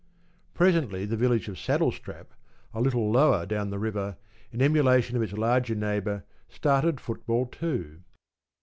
Presently, the village of Saddlestrap, a little lower down the river, in emulation of its larger neighbour, started football also.